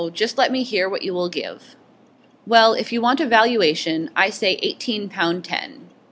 Just let me hear what you will give.' 'Well, if you want a valuation, I say eighteen pound ten.